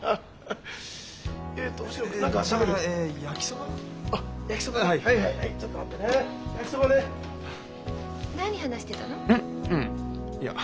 うん。いや。